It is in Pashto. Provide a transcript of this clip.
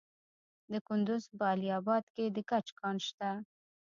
د کندز په علي اباد کې د ګچ کان شته.